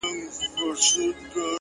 پرمختګ د نن له سم عمل پیلېږي